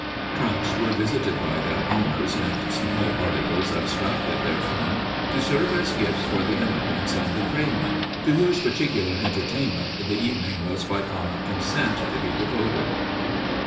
Trunks were visited by their owners and small articles abstracted therefrom to serve as gifts for the immigrants and train men, to whose particular entertainment the evening was by common consent to be devoted.